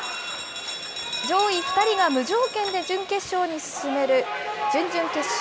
上位２人が無条件で準決勝に進める準々決勝。